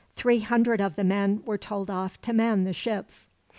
Three hundred of the men were told off to man the ships.